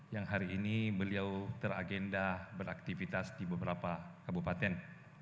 yang hari ini beliau teragenda beraktivitas di beberapa kabupaten